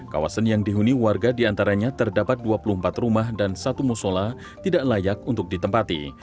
kawasan yang dihuni warga diantaranya terdapat dua puluh empat rumah dan satu musola tidak layak untuk ditempati